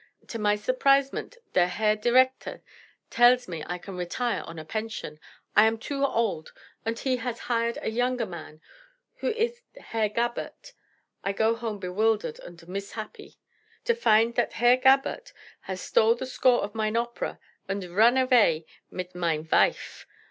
To my surprisement der Herr Director tells me I can retire on a pension; I am too old unt he has hired a younger man, who iss Herr Gabert. I go home bewildered unt mishappy, to find that Herr Gabert has stole the score of mine opera unt run avay mit mine vife.